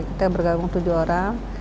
kita bergabung tujuh orang